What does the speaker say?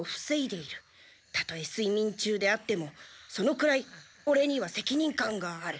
たとえすいみん中であってもそのくらいオレにはせきにん感がある。